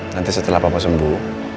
nanti setelah papa sembuh